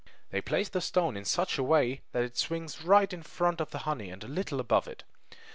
They place the stone in such a way that it swings right in front of the honey and a little above it.